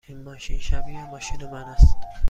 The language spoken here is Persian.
این ماشین شبیه ماشین من است.